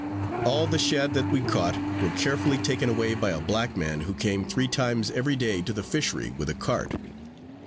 All the shad that we caught, were carefully taken away by a black man, who came three times every day to the fishery, with a cart.